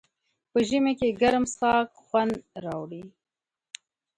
په ژمي کې ګرم څښاک خوند راوړي.